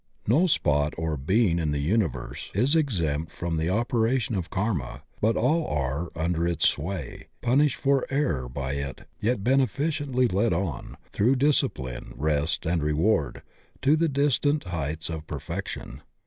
No spot or being in the universe is exempt from the operation of Karma, but aU are under its sway, punished for error by it yet benef icently led on, through discipline, rest, and reward, to the distant heights of perfection.